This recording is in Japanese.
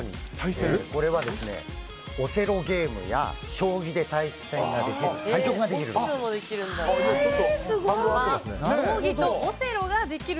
これはオセロゲームや将棋で対局ができる。